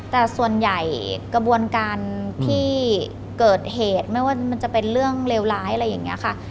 แต่ส่วนใหญ่กระบวนการที่เกิดเหตุไม่ว่ามันจะเป็นเรื่องเลวร้ายอะไรอย่างนี้ค่ะ